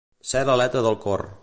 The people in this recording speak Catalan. Ser l'aleta del cor.